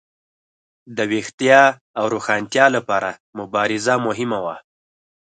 د ویښتیا او روښانتیا لپاره مبارزه مهمه وه.